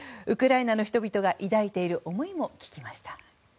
ウクライナの人々が抱いている思いも聞きました。